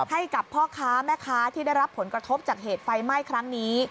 ให้กับพ่อค้าแม่ค้าที่ได้รับผลกระทบจากเหตุไฟไหม้ครั้งนี้